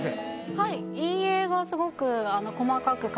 はい。